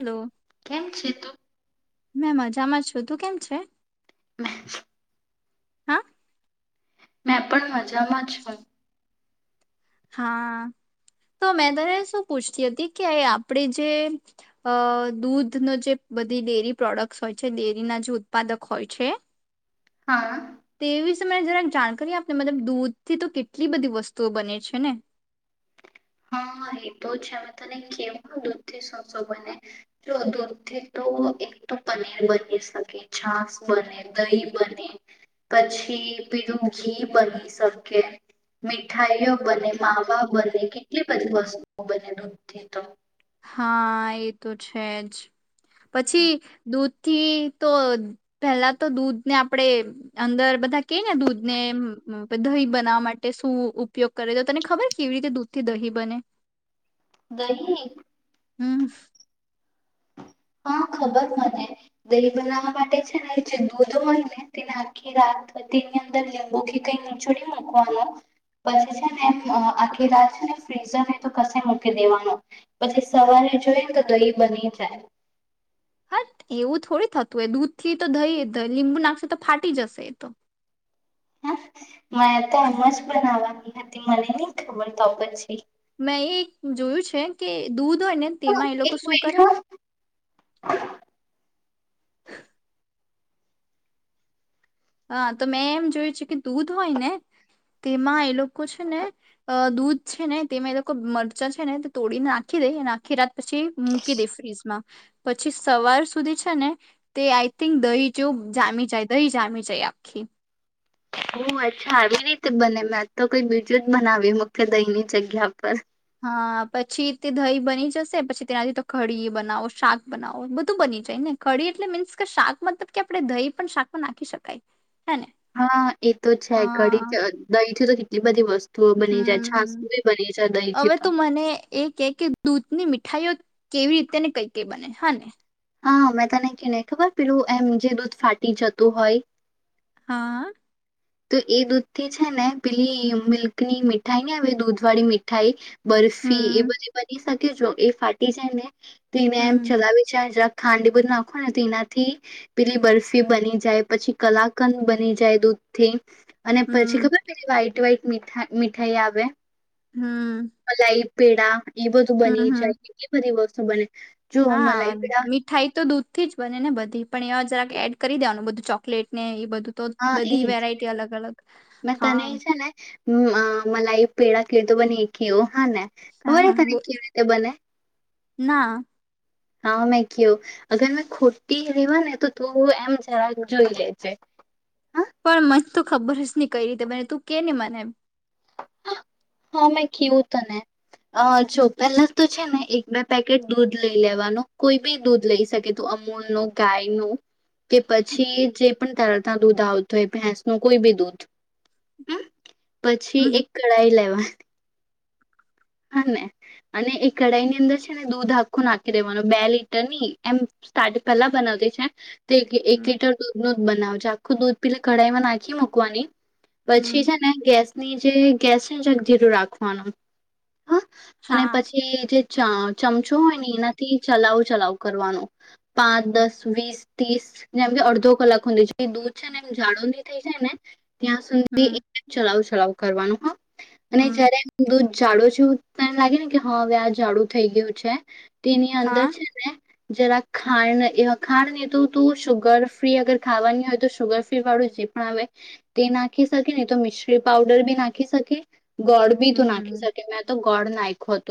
Hello કેમ છે તું મેં મજામાં છું તું કેમ છે. મે હા. મેં પણ મજા જમા છો. હા તો મેં તને શું પૂછતી હતી કે આપણે જે અ દૂધ ન જે બધી ડેરી પ્રોડક્ટ હોય છે ડેરીના જે ઉત્પાદક હોય છે. હા. એ વિશે મને જરા જાણકાર આપને મતલબ દૂધ થી તો કેટલી બધી વસ્તુઓ બને છે ને. હા એ તો છે તને કેવાો દૂધ થી સોસો બને જો દૂધ થી તો એક તો પનીર બની શકે છાસ બને દહી બને પછી બીલું ઘી બની શકે મીઠાઈઓ બને માવા બને કે એટલી બધી વસ્તુઓ બને દૂધ થી તો. હા એ તો છે જ. પછી દૂધ થી તો પેલા તો દૂધને આપણે અંદર બધા ક ને દૂધ ને દહી બનાવવા માટે શું ઉપયોગ કરે તો તને ખબર કેવી રીતે દૂધ થી દહીં બને. દહી. હમ્મ, હા ખબર મને દહી બનાવવા માટે છે ને જે દૂધ હોય ને તેને આખી રાત તેની અંદર લીંબુથી કઈ નીચળ મૂકવાનું પછી છે ને એમ આખી રાત છે ને ફ્રીઝરને તો કશે મૂકી દેવાનું પછી સવારે જોઈ ને તો દહી બની જાય. હત એવું થોડી થતું હોય દૂધ થી તો થઈ લીંબુ નાખશે તો ફાટી જશે એ તો. હા મને તો એમ જ બનાવાની હતી મને નહ ખબર તો પછી. મેં એ જોયું છે કે દૂધ હા, તેમાં એ લોકો એક શું કરે. મિનિટ હા તો મેં એમ જોયું છે કે દૂધ હોય ને તેમાં એ લોકો છે ને દૂધ છે ને તેમાં એ લોકો મરચાં છે ને તે તોડીને નાખી દે અને આખી રાત પછી મૂકી દે ફ્રીઝમાં પછી સવાર સુધી છે ને તે આઈ થિંક દહી જેવ જામી જાય દહી જામી જાય જય આખી ઓહ અચ્છા આવી રીતે બને મેં તો કઈ બીજું જ બનાવી મખન દહીની જગ્યા પર હા પછી તે દહી બની જશે પછી તેનાથી તો ખડી બનાવો શાક બનાવો બધું બની જાય ને ખડી એટલે મીન્સ કે શાક મતલબ કે આપડે દહી પણ શાકમાં નાખી શકાય હે ને હા એ તો છે ઘડી હા જ દહીથી તો તી એટલી બધી વસ હમ અવે તો મને એ કે કે દૂધની મીઠાઈઓ કેવી રીતે ને કઈ કઈ બને હ ને હા મેં તને કયુ ને ખબર પેલું એમ જે દૂધ ફાટી જતું હોય હા તો એ દૂધ થી છે ને પેલી મિલ્કની મીઠાઈ ને આવે દૂધ વાળી મીઠાઈ બરફી એ હમ બધી બની શકે કે જો એ ફાટી જાય ને તો એને એમ હમ ચલાવે છેજ ખાંડ એ બધી નાખો ને તો ઇનાથી પેલી બરફી બની જાય પછી કલાકંદ બની જાય દૂધ થી અને પછી હમ ખબર પેલી વાઈટ વાઈટ મીઠા મીઠાઈ આવે હમ મલાઈ પેડા એ બધું બની હમ જાય હમ કેટલી બધી વસ્તુ સ્તુ બને જો હા મલાઈ પેડા મીઠાઈ તો દૂધ થી જ બને ને બધી પણ એવા જ રાખ એડ કરી દેવાનું બધું ચોકલેટ ને એ બધું તો તો હા બધી એજ વેરાયટી અલગ અલગ હા હમ આ મલાઈ પેડા કેવી રીતે બને ઈ ક્યોં હા ને ખબર એ હા તને બોલ કેવી રીતે બને ના હા મેં ક્યું અગર મેં ખોટી રેવા ને તો તુ એમ જરા જોઈ લેજે હા પણ મન તો ખબર જ નહી કઈ રીતે બને તું કે ને મને એમ હા મેં કીવું તને અ જો પેલા તો છે ને એક બે પેકેટ દૂધ લઈ લેવાનો કોઈ બી દૂધ લઈ શકે તો અમૂલ નો ગાયનું કે પછી જે પણ તારાતા દૂધ આવતું હોય ભેંસનું કોઈ બી દૂધ હમ પછી હમ એક કડાઈ લેવા હ હ ને અને એ કઢાઈ ની અંદર છે ને દૂધ આખું નાખી દેવાનો બે લીટર ની એમ સ્ટાર્ટ પેલા બનાવતી છે તે એક એક હમ લીટર દૂધ નો બનાવજે આખું દૂધ પીલે કઢાઈમાં નાખી મૂકવાની પછી હમ છે ને ગેસની જે કે છે જગ ધીરું રાખવાનું. હા અને હા પછી જે ચ ચમચો હોય ને એનાથી ચલાવ ચલાવ કરવાનો. પાંચ, દસ, વીસ, તીસ, જેમ કે અડધો કલાક હુંધી જે દૂધ છે ને એમ જાડુ ની થઈ જાય ને ત્યાં સુધી હમ ચલાવ ચલાવ કરવાનું હહ અને હમ જયારે દૂધ જાડો જો તને એમ લાગે ને કે હવે આ જાડુ થઈ ગયું છે તેની હા અંદર છે ને જરા ખાણ ખાણ નહી તું તું શુગર ફ્રી અગર ખાવાની હોય તો શુગર ફ્રી વાળું જે પણ આવે તે નાખી શકે નહી તો મિશ્રી પાવડર બી નાખી શકે. ગોળ બી તું નાખી હમ શકે મેં તો ગોળ નાઈખો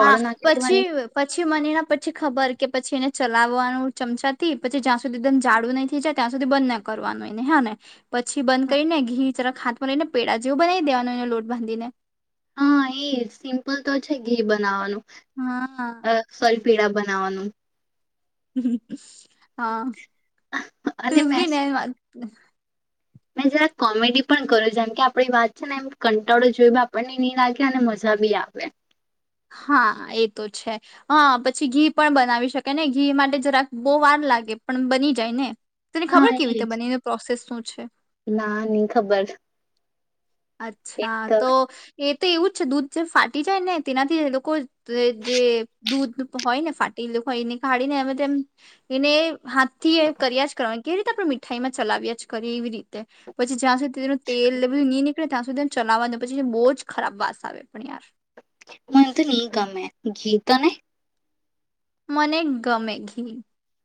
હા પછી પછી મને એના પછી ખબર કે પછી એને ચ લાવવાનું ચમચાથી પછી જ્યાં સુધી એકદમ જાડુ નઈ થઈ જાય ત્યાં સુધી બંધ ન કરવાનું એને હ ને પછી બંધ કરીને ઘી જરાક હાથમાં લઈને પેડા જેવું બનાઈ દેવાનું એનો લોટ બાંધીને હા એજ સિમ્પલ તો છે ઘી બનાવવાનું હા સોરી પેડા બનાવાનું હમ હા અને તું મેં બી ને મેં જરા કોમેડી પણ કર્યું જેમ કે આપણી વાત છે ને એમ કંટાળો જોઈ આપણને નહી લાગે અને મજા બી આવે હા એ તો છે હા પછી ઘી પણ બનાવી શકે ને ઘી માટે જરાક બહુ વાર લાગે પણ બની જાય ને તને હા ખબર કેવી રીતે એજ. બને એની પ્રોસેસ શું છે ના ની ખબર અચ્છા તો એ તે એવું જ છે દૂધ જે ફાટી જાય ને તેનાથી લોકો જે દૂધ હોય ને ફાટેલુ હોય ને ગાડીને અને તો એમ એને હાથ થી કર્યા જ કરવાનું કેવી રીતે આપણે મીઠાઈ માં ચલાવ્યા જ કરીએ એવી રીતે પછી જ્યાં સુધી તેનું તેલને બધું [inaudible] ત્યાં સુધી એને ચલાવા દો પછી બોજ ખરાબ વાસ આવે. પણ યાર મન તો ની ગમે ઘી તને? મને ગમે ઘી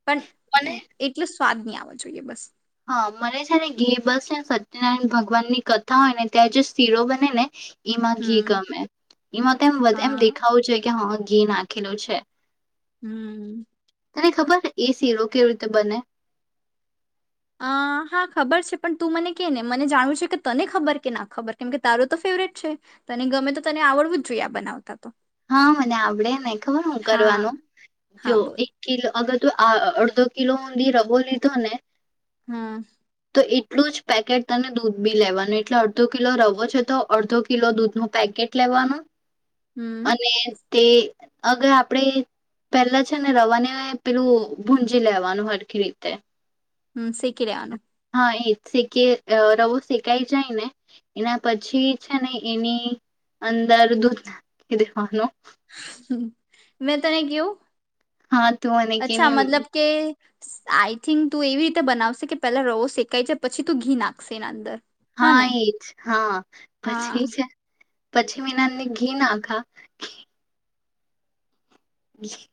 પણ મને એટલું સ્વાદ ની આવો જોઈએ બસ હા મને છે ને ઘી બસ સત્યનારાયણ ભગવાનની કથા હોય ને ત્યાં જે શિરો બને ને એમાં ઘી હમ ગમે. એમાં તો એમ એમ હા દેખાવું જોઈએ કે હહ ઘી નાખેલું છે. હમ્મ, તને ખબર છે. એ શિરો કેવી રીતે બને અ હા ખબર છે. પણ તું મને કે ને મને જાણવું છે કે તને ખબર કે ના ખબર કેમ કે તારું તો ફેવરેટ છે. તને ગમે તો તને આવડવું જ જોઈએ. આ બનાવતા તો હા મને આપડે ને ખબર હું હા કરવાનું જો હા બોલ એક કિલો અગર તો આ અડધો કિલો મેં રવો લીધોને હમ તો એટલું જ પેકેટ તને દૂધ બી લેવાનું એટલે અડધો કિલો રવો છે તો અડધો કિલો દૂધનુ પેકેટ લેવાનું હમ અને તે અગર આપણેે પહેલા છે ને રવાની પેલું ભુંજી લેવાનું હરખી રીતે. હમ શેકી લેવાનું. હ એ શેકી અ રવો શેકાઈ જાય ને એના પછી છે ને એની અંદર દૂધ એ હનુંું [unintelligible] મેં તને કેવું. હા તું મને કેવીમ. આઈથિંક તું એવી રીતે બનાવશે કે પેલા રવો શેકાય જાય પછી તું ઘી નાખશે એના અંદર. હા એજ, હા, હા પછી છે પછી વિનાને ઘી નાખા. ઘી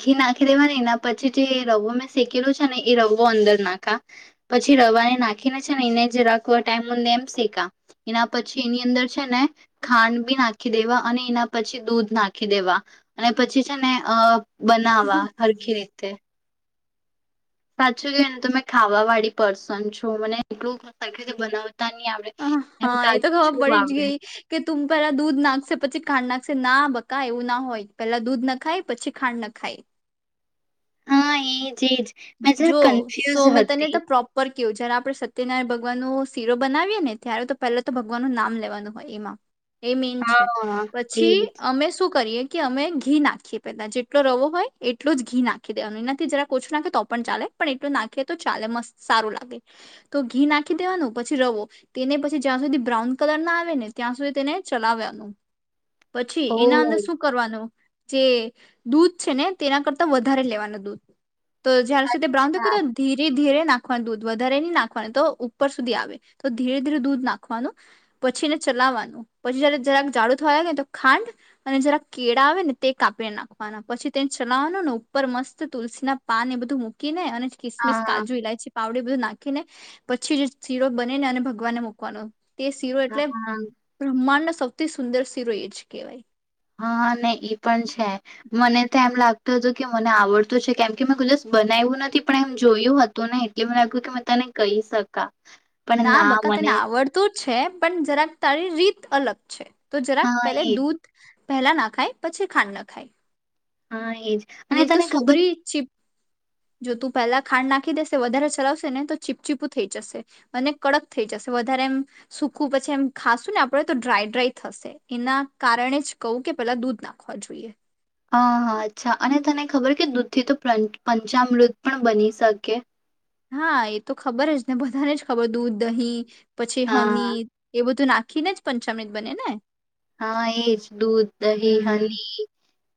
ઘી નાખી દેવા ને એના પછી જે રવો મેં શેકેલું છે ને એ રવો અંદર નાખા, પછી રવાને નાખીને છે ને એને જે રાખવા ટાઈમે એમ શેકા, એના પછી એની અંદર છે ને, ખાંડ બી નાખી દેવા અને એના પછી દૂધ નાખી દેવા. અને પછી છે ને અ બનાવા હરખી રીતે. સાચું કેન તે મે ખાવા વાળી પર્સન છુ મને એટલું સારી રીતે બનાવ અ હા એ તો ખબર પડી જ આવડે ગઈ, કે તું પેલા દૂધ નાખશે પછી ખાંડ નાખ ના બકા એવું ના હોય પેલા દૂધ નખાય પછી ખાંડ નખાય. હા એ જોઓ સો મેં તને હતી તો પ્રોપર કેયુ છે જેનાપ આપણે સત્યનારાયણ ભગવાનનો શીરો બનાવીએ ને ત્યારે તો પહેલા તો ભગવાનનું નામ લેવાનું હોય એમાં. એ મીન છે, હા પછી એજ અમે શું કરીએ. કે અમે ઘી નાખીએ પેલા જેટલો રવો હોય એટલો જ ઘી નાખી દેવાનું એનાથી જરા ઓછો નાખે તો પણ ચાલે પણ એટલું નાખીએ તો ચાલે મસ્ત સારું લાગે, તો ઘી નાખી દેવાનું પછી રવો, તેને પછી જ્યાં સુધી બ્રાઉન કલર ના આવે ને ત્યાં સુધી તેને ચલાવ્યા પછી ઓ એના અંદર શું કરવાનું. જે દૂધ છે ને તેના કરતા વધારે લેવાના દૂધ. તો જ્યાર સુધી બ્રાઉન થાતો અચ્છા ધીરે ધીરે નાખવાનું દૂધ વધારે નહી નાખવાનું તો ઉપર સુધી આવે, તો ધીરે ધીરે દૂધ નાખવાનું, પછી એને ચલાવવાનું પછી જયારે જરાક જાડું થવા આવે ને તો ખાંડ, અને જરા કેળા આવે ને તે કાપીને નાખવાના પછી તેને છનાવવાનું ને ઉપર મસ્ત તુલસીના પાન એ બધું મૂકી ને અને કિસમિસ હા કાજુ ઇલાયચી પાવડી બધું નાખીને, પછી જ શીરો બની ને અને ભગવાનને મૂકવાનો. તે શીરો એટલે હા બ્રહ્માંડ ન સૌથી સુંદર શીરો એ જ કહેવાય. હા ને ઈ પણ છે, મને તો એમ લાગતું હતું કે મને આવડતું છે, કેમ કે મેં ખુદ જ બનાવ્યું નથી પણ એમ જોયું હતું ને એટલે મને લાગ્યું કે મેં તને કહી શકાય. ના બકા તને આવડતો જ છે પણ જરાક તારી રીત અલંગ. છે. તો જરાક હા પેલે એજ દૂધ પહેલા નાખાય પછી ખાંડ નાખાય. હા. અને નહી તો તને ખબર સુગરી ચીપ જો તું પહેલા ખાંડ નાખી દેશે વધારે ચલાવશે ને તો ચીપચીપું થઈ જશે અને કડક થઈ જશે વધારે એમ સૂકું પછી એમ ખાશું ને આપણે તો ડ્રાય ડ્રાય થશે એના કારણે જ કહું કે પેલા દૂધ નાખવા જોઈએ. હ હા અચ્છા અને તને ખબર કે દૂધ થી તો પંચામૃત પણ બની શકે હા એ તો ખબર જ ને બધાને જ ખબર દૂધ દહીં પછી હા હની એ બધું નાખીએ. આખીને જ પંચામૃત બને ને હા એજ દૂધ દહી હમ હની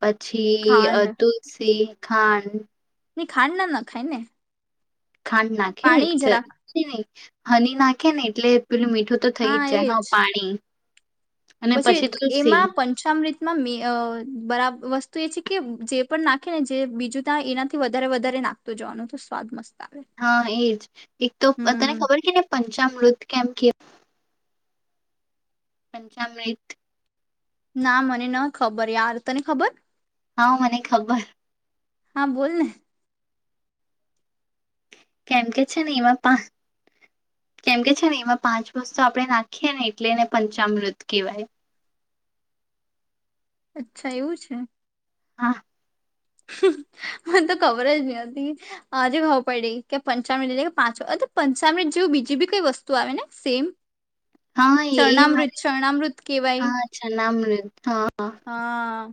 પછી ખાંડ તુલસી ખાંડ ખાંડ ના નખાય ને ખાંડ નાખે પાણી જરા ન હની નાખે ને એટલે. પેલું મીઠું તો થઈ હા જ જાય એજ પાણી અને પછી તુલસી એમાં પંચામૃત રીત માં મે બરાબર વસ્તુ તો એ છે. કે જે પણ નાખે ને જે બીજું ત્યા એનાથી વધારે વધારે નાખતુ જવાનું તો સ્વાદ મસ્ત આવે હા એજ એક તો તને હમ ખબર છે. ને પંચામૃત કેમ કે પંચાામૃત ના મને ન ખબર યાર તને ખબર હા મને ખબર, હા. બોલ ને કેમ કે છે. ને એમાં પાંચ કેમ કે છે. ને એમાં પાંચ વસ્તુ આપણે નાખીએ ને એટલે એને પંચામૃત કેહેવાય. અચ્છા એવું છે. હા. મને તો ખબર જ ન હતી આજે ખબર પડી કે પંચામૃત એટલે કે પાંચ પંચામૃત જેવું બીજી બી કઈ વસ્તુ આવે ને સેમ હા એ ચરણામૃત મને ચરણામૃત કેવાય હા્ છા નામ મને હા. હા.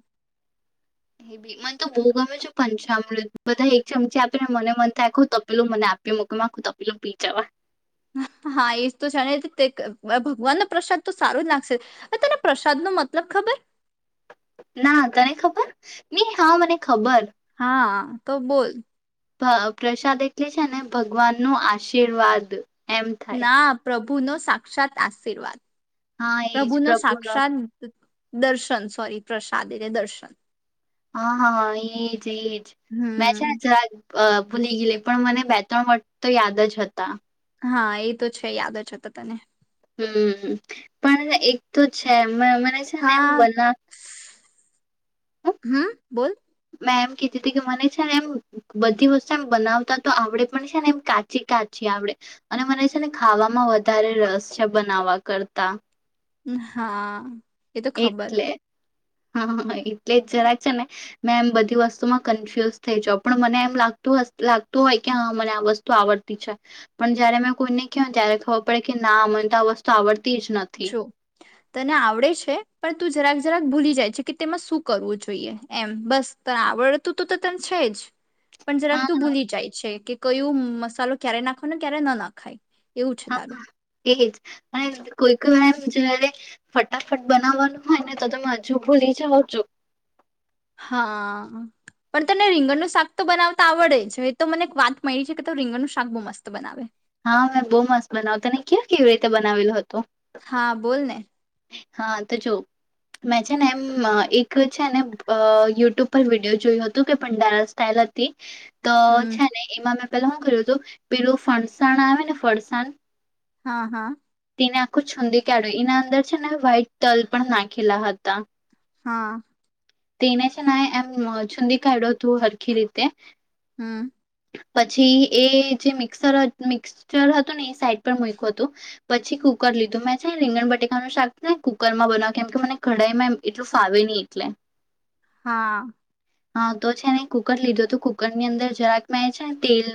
મને તો બહુ ગમે છે. પંચામૃત બધા એક ચમચી આપીને મને મન થાય આખું તપેલું મને આપી મ કે આખું તપેલું પી જવાય. હા એજ તો જાણે ભગવાન નો પ્રસાદ તો સારો જ લાગશે તને પ્રસાદ નો મતલબ ખબર ના તને ખબર નઈ હા મને ખબર હા. તો બોલ પ્રસાદ એટલે છે ને ભગવાન નું આશીર્વાદ એમ થાય ના પ્રભુ. ભૂનોો સાક્ષાત આશીર્વાદ. હા પ્રભુ એજ ન પ્રભુનો સાક્ષાત. દર્શન સોરી પ્રસાદ એટલે દર્શન. હા હા એજ એજ મે છે. હમ અ ભૂલી ગયલી પણ મને બે ત્રણ વર્ખ તો યાદ જ હતા. હા એ તો છે યાદ જ હતા તને. હમ પણ એક તો છે. અ મને છે ને એમ હા બના. હું હમ બોલ. મેં એમ કીધી તું કે મને છે ને એમ બધી વસ્તુ એમ બનાવતા તો આવડે પણ છે ને એમ કાચી કાચી આવડે અને મને છે ને ખાવામાં વધારે રસ છે બનાવવા કરતા. હા. એ તો ખબર. એટલે હા હા એ. લલેજ જ રા છે ને. મેં એમ બધી વસ્તુમાં કન્ફ્યુઝ થઈ જ પણ મને એમ લાગતું લાગતું હોય કે હા મને આ વસ્તુ આવડતી છે પણ જયારે મેં કોઈને કહ ત્યારે ખબર પડે કે ના મને તો આ વસ્તુ આવડતી. જ નથી જો તને આવડે છે. પણ તું જરાક જરાક ભૂલી જાય છે કે તેમાં શું કરવું જોઈએ એમ બસ ત આવડતું તો ત છે જ. પણ જરાક હા તું ભૂલી જાય છે કે. કયું મસાલો ક્યારે નાખો ને ક્યારે ન નાખાય. એવું છે હા તારું. હા, એજ અને કોઈઈ વારમ જયારે ફટાફટ બનાવવાનું હોય ને તો તમે હજુ ભૂલી જાઓ છો. હા પણ તને રીંગણનું શાક તો બનાવતા આવડે છે એ તો મને વાત મળી છે કે તો રીંગણનું શાક બહુ મસ્ત બનાવે. હા મેં બહુ મસ્ત બનાવતાને ક્યાં કેવી રીતે બનાવેલું હતું. હા બોલ ને. હા તો જો મેં છે ને એમ એક છે ને યુટ્યુબ પર વિડીિયો જોયું હતું કે ભ ડાર સ્ટઇલ હતી. તો હમ છે ને એમાં મે. પેલા શું કર્યું હતું પેલું ફણસાણ આવે ને ફરસાણ. હા હા. ને આખ છંદી કો ના અંદર. છે ને વ્હાઈટ તલ પણ નાખેલા હતા. હા. તેને છે એમ છુંદીી કાઢો તું હરખી રીતે. હમ. પછી એ જે મિક્સર મિક્સચર હતું ને એ સાઈડ પર મક્યું હતું પછી કુકર લીધું મેં છે રીંગણ બટેકાનુંું શાકને કુકરમાં બનાવ કેમ કે મને કડાઈમાં એટલું ફાવે નહી એટલે. હા. હા તો છે ને કુકર લીધું હતું કુકર ની અંદર જરા. મેજા તેલ.